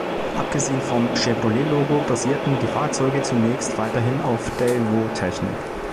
Abgesehen vom Chevrolet-Logo basierten die Fahrzeuge zunächst weiterhin auf Daewoo-Technik.